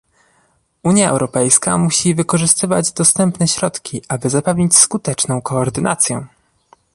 Unia Europejska musi wykorzystywać dostępne środki, aby zapewnić skuteczną koordynację